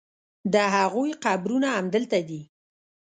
د هغوی قبرونه همدلته دي.